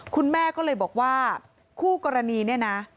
คุณแม่ก็เลยบอกว่าคู่กรณีเนี่ยนะ